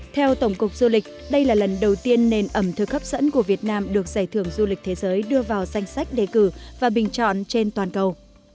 theo tổng cục du lịch đây là lần đầu tiên nền ẩm thực hấp dẫn của việt nam được giải thưởng du lịch thế giới đưa vào danh sách đề cử và bình chọn trên toàn cầu